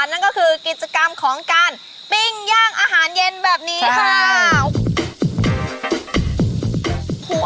นั่นก็คือกิจกรรมของการปิ้งย่างอาหารเย็นแบบนี้ค่ะ